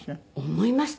思いました。